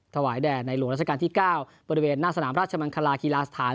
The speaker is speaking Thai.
ถวายแด่ในหลวงราชการที่๙บริเวณหน้าสนามราชมังคลาฮีลาสถาน